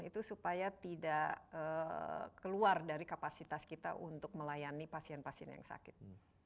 itu supaya tidak keluar dari kapasitas kita untuk melayani pasien pasien yang sakit